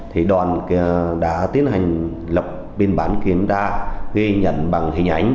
thì đoàn đã tiến hành lập biên bản kiểm tra ghi nhận bằng hình ảnh